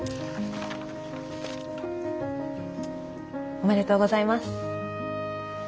おめでとうございます。